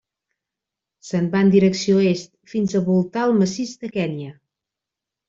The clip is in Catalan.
Se'n va en direcció est, fins a voltar el massís de Kenya.